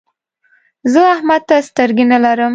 زه احمد ته سترګې نه لرم.